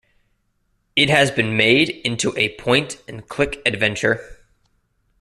It has been made into a point-and-click adventure.